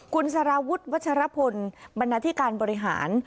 คุณสารวุฒิวัชรพลบรรณาธิการบริหาร